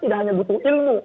tidak hanya butuh ilmu